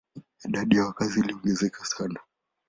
Idadi ya wakazi iliongezeka sana.